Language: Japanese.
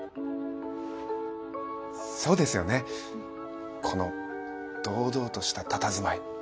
そうですよねこの堂々としたたたずまい。